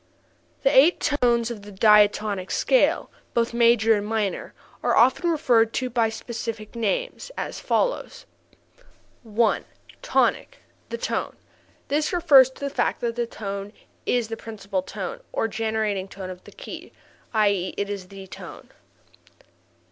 91. The eight tones of the diatonic scale (both major and minor) are often referred to by specific names, as follows: 1. Tonic the tone. (This refers to the fact that the tonic is the principal tone, or generating tone of the key, i.e., it is the tone.)